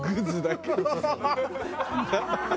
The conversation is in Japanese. ハハハハ！